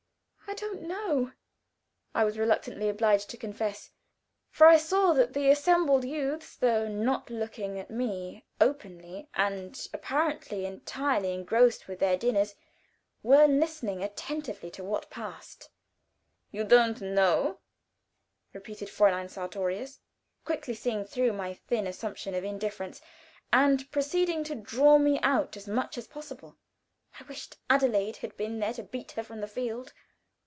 "I don't know," I was reluctantly obliged to confess, for I saw that the assembled youths, though not looking at me openly, and apparently entirely engrossed with their dinners, were listening attentively to what passed. "You don't know," repeated Fräulein Sartorius, quickly seeing through my thin assumption of indifference, and proceeding to draw me out as much as possible. I wished Adelaide had been there to beat her from the field.